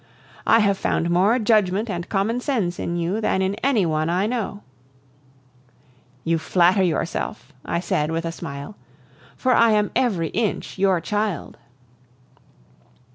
I have found more judgment and commonsense in you than in any one I know " "You flatter yourself," I said, with a smile, "for I am every inch your child!"